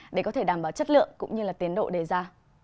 để có thể đảm bảo chất lượng cũng như tiến độ đề ra